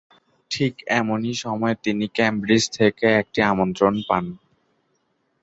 ঠিক এমনি সময়ে তিনি কেমব্রিজ থেকে একটি আমন্ত্রণ পান।